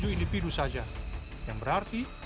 individu saja yang berarti